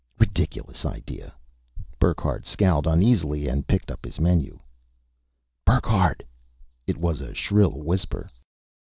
Ridiculous idea. Burckhardt scowled uneasily and picked up his menu. "Burckhardt!" It was a shrill whisper.